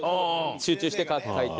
集中して書いて。